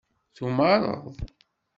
Tumared?